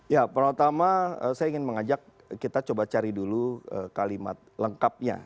ya pertama saya ingin mengajak kita coba cari dulu kalimat lengkapnya